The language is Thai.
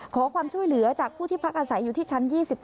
ขอความช่วยเหลือจากผู้ที่พักอาศัยอยู่ที่ชั้น๒๗